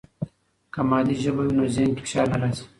که مادي ژبه وي، نو ذهن کې فشار نه راځي.